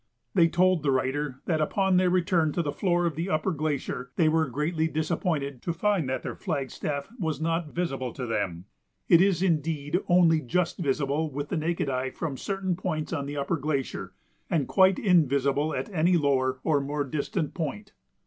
They told the writer that upon their return to the floor of the upper glacier they were greatly disappointed to find that their flagstaff was not visible to them. It is, indeed, only just visible with the naked eye from certain points on the upper glacier and quite invisible at any lower or more distant point.